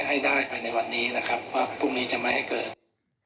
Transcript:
ให้ได้ภายในวันนี้นะครับว่าพรุ่งนี้จะไม่ให้เกิด